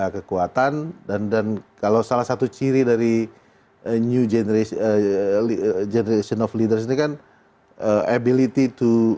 kekuatan dan kalau salah satu ciri dari new generation of leaders ini kan ability to